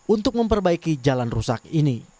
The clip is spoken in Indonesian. untuk memperbaiki jalan rusak ini